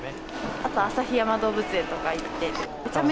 あと旭山動物園とか行って。